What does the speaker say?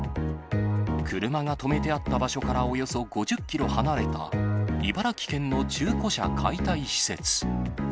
車が止めてあった場所からおよそ５０キロ離れた、茨城県の中古車解体施設。